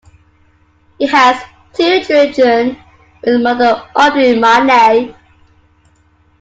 He has two children with model Audrey Marnay.